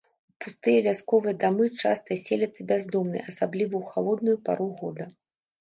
У пустыя вясковыя дамы часта селяцца бяздомныя, асабліва ў халодную пару года.